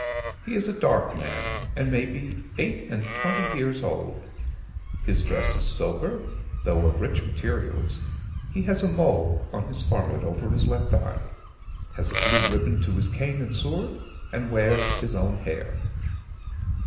He is a dark man, and may be eight and twenty years old. His dress is sober, though of rich materials. He has a mole on his forehead over his left eye; has a blue ribbon to his cane and sword, and wears his own hair.